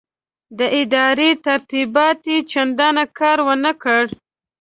د ادارې ترتیبات یې چنداني کار ورنه کړ.